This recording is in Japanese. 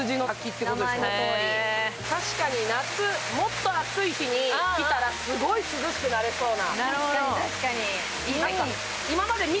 確かに夏、もっと暑い日に来たらすごい涼しくなれそうな。